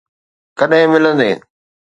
ڪڏھن ملندين؟